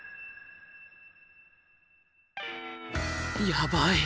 やばい！